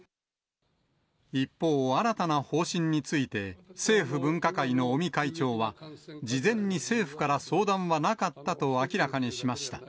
一方、新たな方針について、政府分科会の尾身会長は、事前に政府から相談はなかったと明らかにしました。